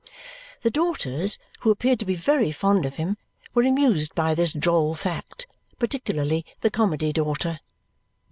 The daughters, who appeared to be very fond of him, were amused by this droll fact, particularly the Comedy daughter.